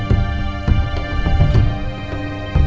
suaranya kok kayak